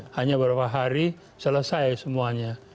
hanya beberapa hari selesai semuanya